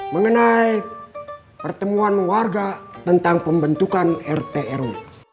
mengenai pertemuan warga tentang pembentukan rt rw